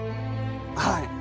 はい。